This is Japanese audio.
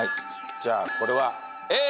じゃあこれは。